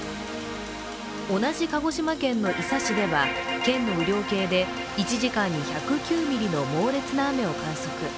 同じ鹿児島県の伊佐市では県の雨量計で１時間に１０９ミリの猛烈な雨を観測。